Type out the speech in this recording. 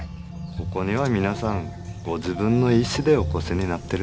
ここには皆さんご自分の意思でお越しになってるんです。